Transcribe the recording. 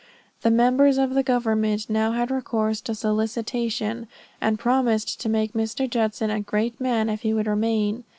The members of government now had recourse to solicitation, and promised to make Mr. Judson a great man if he would remain.